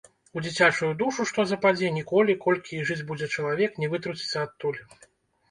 У дзіцячую душу што западзе, ніколі, колькі і жыць будзе чалавек, не вытруціцца адтуль.